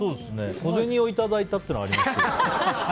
小銭をいただいたってのはありますけど。